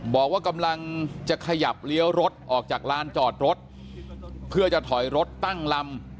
บอกว่ากำลังจะขยับเลี้ยวรถออกจากลานจอดรถเพื่อจะถอยรถตั้งลำ